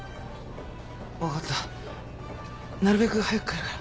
分かったなるべく早く帰るから。